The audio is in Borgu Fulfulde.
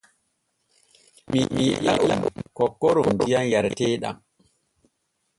Mi eela on kokkoron diyam jareteeɗam.